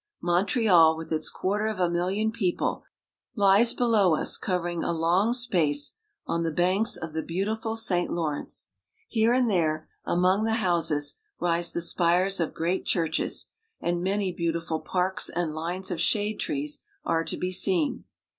Montreal, with its quarter of a million people, lies below us, covering a long space on the banks of the MONTREAL. 323 beautiful St. Lawrence. Here and there, among the houses, rise the spires of great churches ; and many beau tiful parks and lines of shade trees are to be seen.